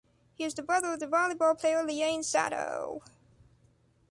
He is the brother of the volleyball player Liane Sato.